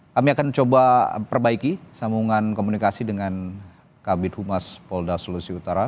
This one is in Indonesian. kami akan coba perbaiki sambungan komunikasi dengan kabit humas polda sulawesi utara